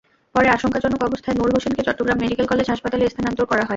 পরে আশঙ্কাজনক অবস্থায় নুর হোসেনকে চট্টগ্রাম মেডিকেল কলেজ হাসপাতালে স্থানান্তর করা হয়।